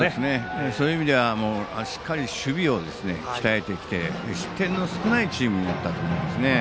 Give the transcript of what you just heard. そういう意味ではしっかり守備を鍛えてきて失点の少ないチームになったと思います。